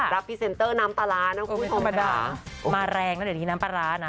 รับพรีเซนเตอร์น้ำปลาร้านะครับโอ้โฮธรรมดามาแรงแล้วเดี๋ยวนี้น้ำปลาร้านะ